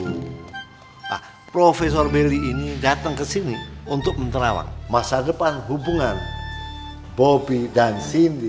nah profesor belie ini datang ke sini untuk menterawang masa depan hubungan bobby dan cindy